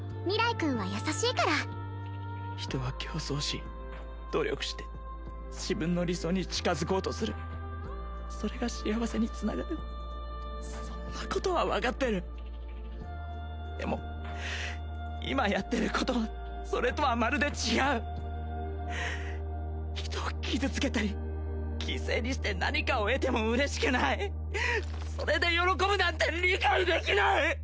君は優しいから人は競争し努力して自分の理想に近づこうとするそれが幸せにつながるそんなことは分かってるでも今やってることはそれとはまるで違う人を傷つけたり犠牲にして何かを得ても嬉しくないそれで喜ぶなんて理解できない！